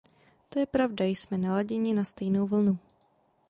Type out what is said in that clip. To je pravda; jsme naladěni na stejnou vlnu.